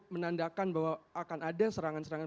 menandakan bahwa akan ada serangan serangan